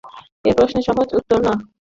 এই প্রশ্নের সহজ উত্তর, না।